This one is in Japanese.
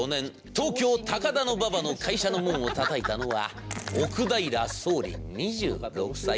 東京・高田馬場の会社の門をたたいたのは奥平壮臨、２６歳。